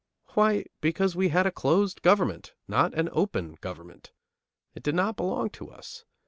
Why, because we had a closed government; not an open government. It did not belong to us.